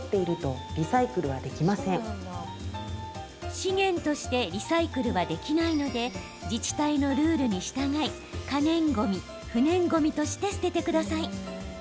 資源としてリサイクルはできないので自治体のルールに従い可燃ごみ、不燃ごみとして捨ててください。